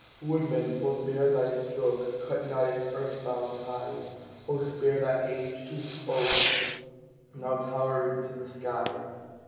Woodman, forebear thy stroke! Cut not its earth bound ties; Oh, spare that aged oak, Now towering to the skies!